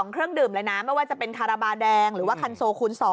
เครื่องดื่มเลยนะไม่ว่าจะเป็นคาราบาแดงหรือว่าคันโซคูณ๒